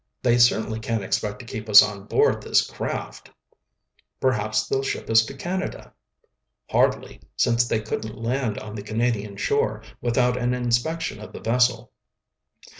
They certainly can't expect to keep us on board this craft." "Perhaps they'll ship us to Canada." "Hardly, since they couldn't land on the Canadian shore without an inspection of the vessel."